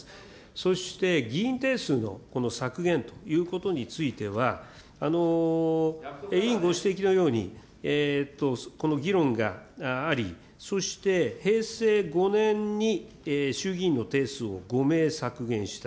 そして議員定数の削減ということについては、委員ご指摘のように、この議論があり、そして平成５年に衆議院の定数を５名削減した。